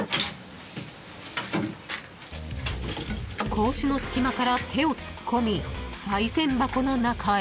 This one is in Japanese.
［格子の隙間から手を突っ込みさい銭箱の中へ］